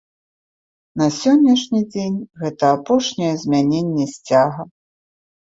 На сённяшні дзень гэта апошняе змяненне сцяга.